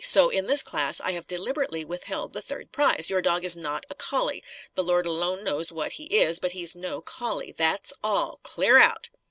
So, in this class, I have deliberately withheld the third prize. Your dog is not a collie. The Lord alone knows what he is, but he's no collie. That's all. Clear out!"